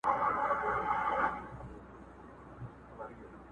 نیکه لمیسو ته نکلونه د جنګونو کوي!